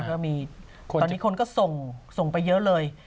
ก็มีตอนนี้คนก็ส่งไปเยอะเลย